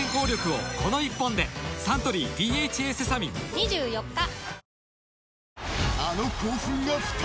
オォーイエーサントリー「ＤＨＡセサミン」２４日！